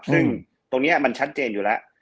ซึ่งตรงนี้มันชัดเจนอยู่แล้ว